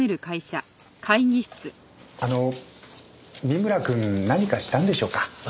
あの見村くん何かしたんでしょうか？